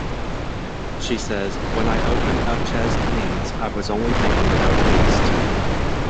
She says: When I opened up Chez Panisse, I was only thinking about taste.